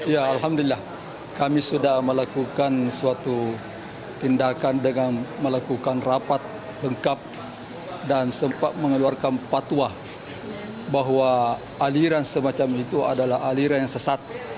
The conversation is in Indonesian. ya alhamdulillah kami sudah melakukan suatu tindakan dengan melakukan rapat lengkap dan sempat mengeluarkan patuah bahwa aliran semacam itu adalah aliran yang sesat